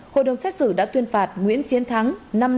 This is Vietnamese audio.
hội đồng đã tuyên phạt nguyễn chiến thắng